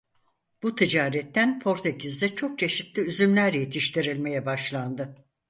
Bu ticaretten Portekiz'de çok çeşitli üzümler yetiştirilmeye başlandı.